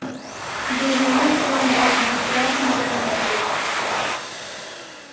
Desde muy pronto mostró afición a las letras.